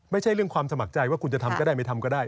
ไม่ใช่เรื่องความสมัครใจว่าคุณจะทำก็ได้ไม่ทำก็ได้